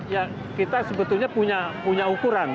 ya kita sebetulnya punya ukuran